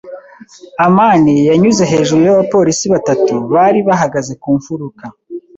amani yanyuze hejuru y’abapolisi batatu bari bahagaze ku mfuruka.